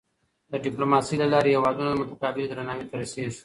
د ډیپلوماسۍ له لارې هېوادونه متقابل درناوي ته رسيږي.